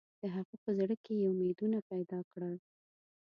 د هغه په زړه کې یې امیدونه پیدا کړل.